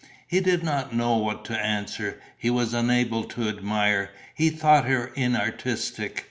He did not know what to answer, he was unable to admire, he thought her inartistic.